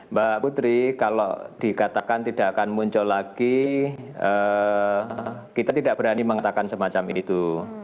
mbak putri kalau dikatakan tidak akan muncul lagi kita tidak berani mengatakan semacam itu